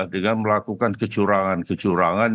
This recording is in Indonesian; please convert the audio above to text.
dengan melakukan kecurangan kecurangan